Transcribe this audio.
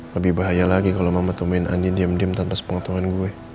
lebih bahaya lagi kalau mama temuin andin diam diam tanpa sepengatungan gue